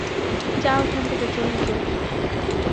যাও এখান থেকে, জলদি, জলদি।